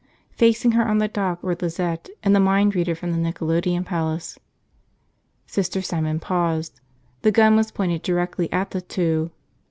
Facing her on the dock were Lizette and the mind reader from the Nickelodeon Palace. Sister Simon paused. The gun was pointed directly at the two.